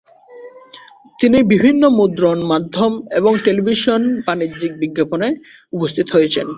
তিনি বিভিন্ন মুদ্রণ মাধ্যম এবং টেলিভিশন বাণিজ্যিক বিজ্ঞাপনে উপস্থিত হয়েছেন।